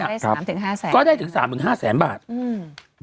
ได้สามถึงห้าแสนก็ได้ถึงสามถึงห้าแสนบาทอืม